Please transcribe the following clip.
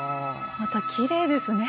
またきれいですね。